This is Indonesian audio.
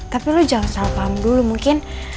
tapi lu jangan salah paham dulu mungkin